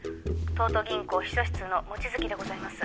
「東都銀行秘書室の望月でございます」